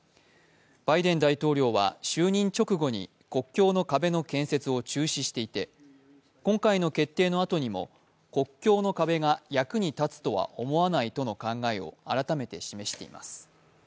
バイデン大統領は就任直後に国境の壁の建設を中止していて今回の決定のあとにも国境の壁が役に立つとは思わないとの考えを改めて示しています。